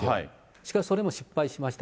しかしそれも失敗しました。